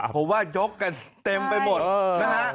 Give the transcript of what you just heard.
ผมว่ายกกันเต็มไปหมดนะฮะ